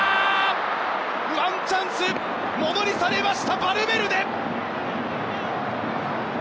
ワンチャンス、ものにされましたバルベルデ！